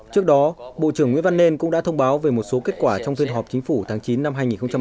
trước đó bộ trưởng nguyễn văn nên cũng đã thông báo về một số kết quả trong phiên họp chính phủ tháng chín năm hai nghìn một mươi chín